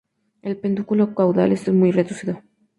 El pedúnculo caudal es muy reducido.